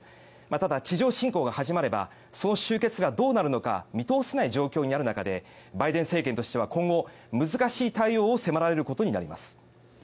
ただ地上侵攻が始まればその終結がどうなるのか見通せない状況にある中でバイデン政権としては今後難しい対応を迫られることになります。